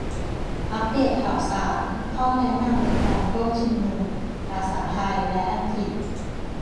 อัปเดตข่าวสาร ข้อแนะนำในการร่วมชุมนุม - ภาษาไทยและอังกฤษ